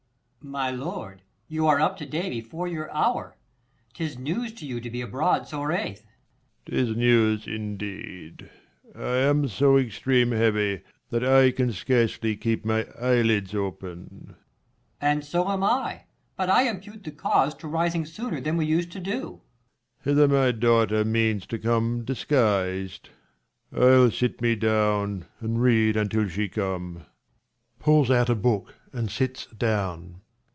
Per. My lord, you are up to day before your hour, 'Tis news to you to be abroad so rathe. Leir. 'Tis news indeed, I am so extreme heavy, That I can scarcely keep my eye lids open. Per. And so am I, but I impute the cause 5 To rising sooner than we use to do. . Leir. Hither my daughter means to come disguis'd : SC.VH] HIS THREE DAUGHTERS 59 I'll sit me down, and read until she come. \_Pulls out a book, and sits down.